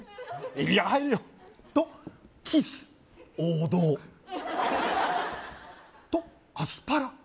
海老は入るよとキス王道とアスパラ